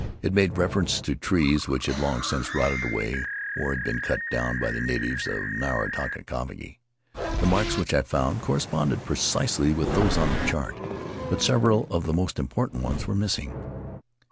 It made reference to trees which had long since rotted away or had been cut down by the natives of Nukatavake. The marks which I found corresponded precisely with those on the chart, but several of the most important ones were missing."